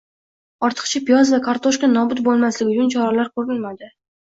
ortiqcha piyoz va kartoshka nobud bo‘lmasligi uchun choralar ko‘rilmadi?